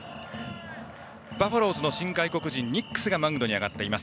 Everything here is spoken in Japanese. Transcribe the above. バファローズの新外国人ニックスがマウンドに上がっています。